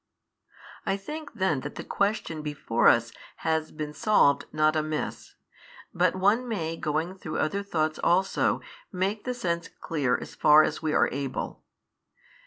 I think then that the question before us has been solved not amiss: but one may going through other thoughts also make the sense clear as far as we are able.